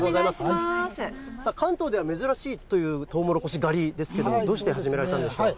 関東では珍しいというとうもろこし狩りですけれども、どうして始められたんでしょうか。